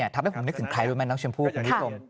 ทำให้ผมนึกถึงใครด้วยมั้ยน้องเชียมพู่คุณวิทยุม